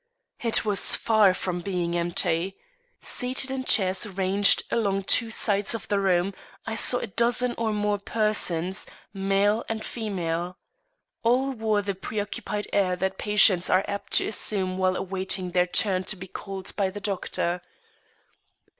It was far from being empty. Seated in chairs ranged along two sides of the room, I saw a dozen or more persons, male and female. All wore the preoccupied air that patients are apt to assume while awaiting their turn to be called by the doctor.